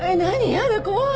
やだ怖い。